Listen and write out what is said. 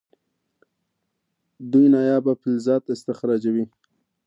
دوی نایابه فلزات استخراجوي.